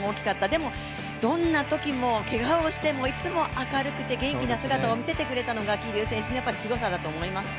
でも、どんなときも、けがをしても、いつも明るくて、元気な姿を見せてくれたのが桐生選手のすごさだと思います。